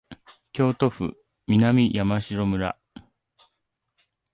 京都府南山城村